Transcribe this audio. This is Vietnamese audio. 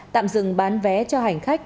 tạm dừng bán vé cho hành khách